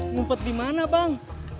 ngumpet dimana bang